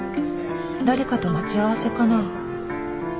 誰かと待ち合わせかな？